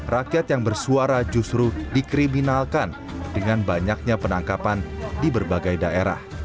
rakyat yang bersuara justru dikriminalkan dengan banyaknya penangkapan di berbagai daerah